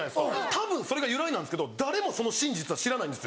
たぶんそれが由来なんですけど誰もその真実は知らないんです。